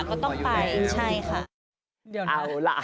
ก็ต้องไปใช่ค่ะ